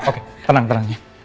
oke tenang tenang aja